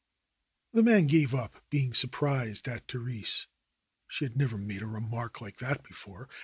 The man gave up being surprised at Therese. She had never made a remark like that before.